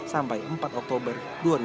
sampai empat oktober dua ribu tujuh belas